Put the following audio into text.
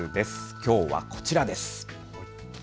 きょうはこちらです。